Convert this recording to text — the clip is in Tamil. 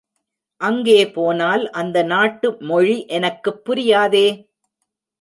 அங்கே போனால் அந்த நாட்டு மொழி எனக்குப் புரியாதே!